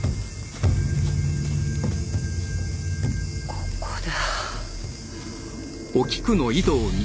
ここだ。